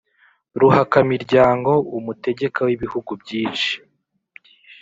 Ruhakamiryango: umutegeka w’ibihugu byishi